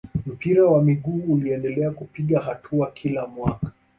mpira wa miguu uliendelea kupiga hatua kila mwaka